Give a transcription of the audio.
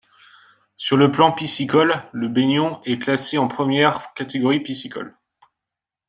Sur le plan piscicole, le Baignon est classé en première catégorie piscicole.